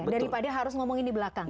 daripada harus ngomongin di belakang